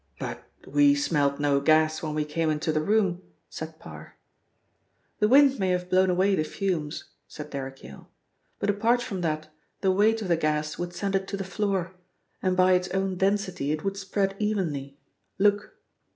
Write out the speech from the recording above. "But we smelt no gas when we came into the room," said Parr. "The wind may have blown away the fumes," said Derrick Yale. "But apart from that, the weight of the gas would send it to the floor, and by its own density it would spread evenly look!"